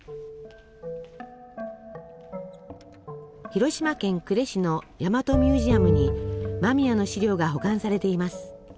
広島県呉市の大和ミュージアムに間宮の資料が保管されています。